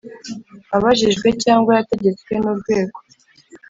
Abajijwe cyangwa yategetswe n urwego